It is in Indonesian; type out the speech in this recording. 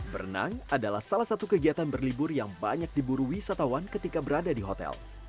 berenang adalah salah satu kegiatan berlibur yang banyak diburu wisatawan ketika berada di hotel